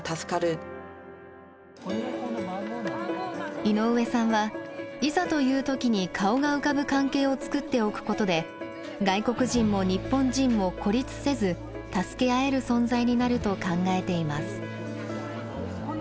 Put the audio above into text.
井上さんはいざという時に顔が浮かぶ関係を作っておくことで外国人も日本人も孤立せず助け合える存在になると考えています。